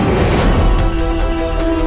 aku akan terus memburumu